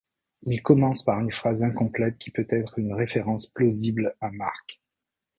Il commence par une phrase incomplète qui peut être une référence plausible à Marc.